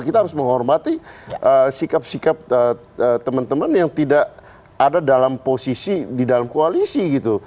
kita harus menghormati sikap sikap teman teman yang tidak ada dalam posisi di dalam koalisi gitu